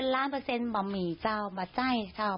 ๑๐๐ล้านเปอร์เซ็นต์บำหมี่เจ้าบะไจ้เจ้า